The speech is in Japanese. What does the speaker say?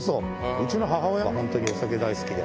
うちの母親は本当にお酒大好きで。